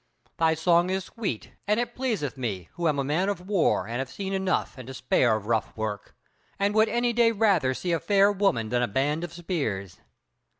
Thy song is sweet, and it pleaseth me, who am a man of war, and have seen enough and to spare of rough work, and would any day rather see a fair woman than a band of spears.